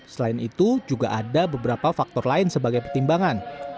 selain itu juga ada beberapa faktor lain sebagai pertimbangan